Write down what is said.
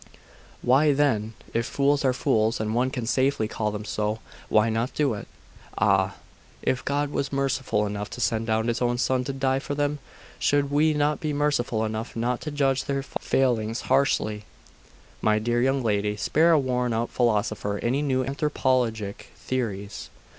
'Why then? If fools are fools, and one can safely call them so, why not do it?' 'Ah, if God was merciful enough to send down His own Son to die for them, should we not be merciful enough not to judge their failings harshly!' 'My dear young lady, spare a worn out philosopher any new anthropologic theories.